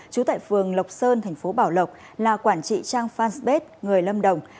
trú tại phường lộc sơn thành phố bảo lộc là quản trị trang phan xbết người lâm đồng